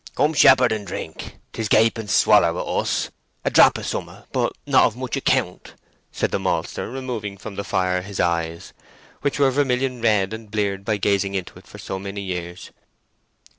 "Come, shepherd, and drink. 'Tis gape and swaller with us—a drap of sommit, but not of much account," said the maltster, removing from the fire his eyes, which were vermilion red and bleared by gazing into it for so many years.